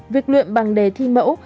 việc luyện bằng đề thi mẫu